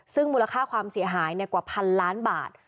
ซึ่งมูลค่าความเสียหายกว่าพันล้านบาท